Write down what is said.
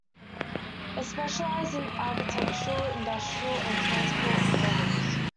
It specialised in architectural, industrial, and transport models.